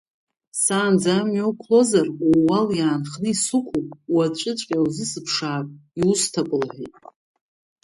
Саанӡа амҩа уқәлозар, ууал, иаанханы исықәу, уаҵәыҵәҟьа иузысԥшаап, иусҭап, – лҳәеит.